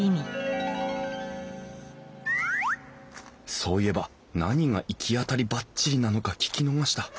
そういえば何が「いきあたりバッチリ」なのか聞き逃した。